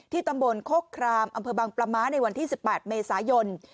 ตำบลโคกครามอำเภอบังปลาม้าในวันที่๑๘เมษายน